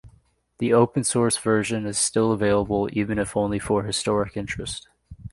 The Open Source version is still available, even if only for historic interest.